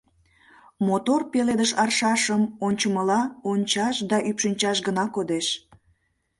Мотор пеледыш аршашым ончымыла ончаш да ӱпшынчаш гына кодеш.